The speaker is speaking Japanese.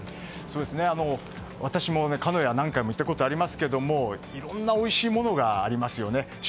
私も鹿屋へは何回も行ったことがありますけどいろんなおいしいものがありますよね。